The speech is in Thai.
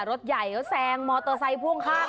รถใหญ่ก็แซงมอเตอร์ไซค์พ่วงข้าง